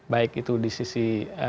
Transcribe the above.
baik itu di sisi